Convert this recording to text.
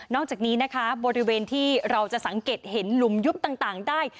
จากนี้นะคะบริเวณที่เราจะสังเกตเห็นหลุมยุบต่างได้